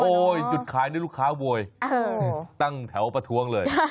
โอ้โหหยุดขายแล้วลูกค้าโบยตั้งแถวประท้วงเลย